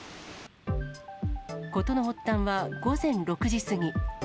事の発端は午前６時過ぎ。